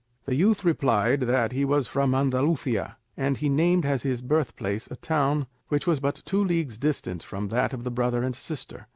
The youth replied that he was from Andalusia, and he named as his birthplace a town which was but two leagues distant from that of the brother and sister.